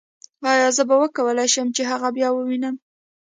ایا زه به وکولای شم چې هغه بیا ووینم